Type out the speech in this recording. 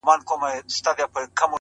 o نو نن ـ